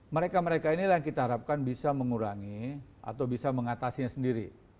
mereka mereka inilah yang kita harapkan bisa mengurangi atau bisa mengatasinya sendiri